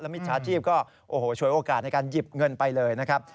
มิจฉาชีพก็โอ้โหฉวยโอกาสในการหยิบเงินไปเลยนะครับ